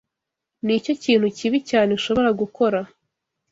Nicyo kintu kibi cyane ushobora gukora!